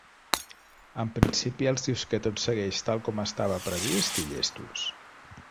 En principi els dius que tot segueix tal com estava previst i llestos.